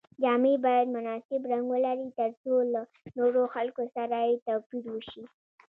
جامې باید مناسب رنګ ولري تر څو له نورو خلکو سره یې توپیر وشي.